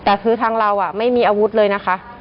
แต่คือทางเราไม่มีอาวุธเลยนะคะ